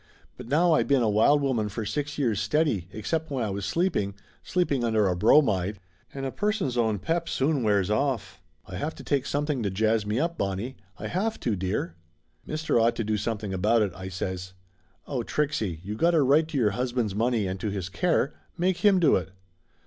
But now I been a wild woman for six years steady, except when I was sleeping sleeping under a bromide! And a person's own pep soon wears off. I have to take some thing to jazz me up, Bonnie ; I have to, dear !" "Mister ought to do something about it," I says. "Oh, Trixie, you got a right to your husband's money and to his care. Make him do it!"